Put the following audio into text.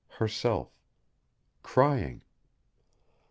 Herself. Crying.